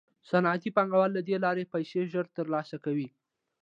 صنعتي پانګوال له دې لارې پیسې ژر ترلاسه کوي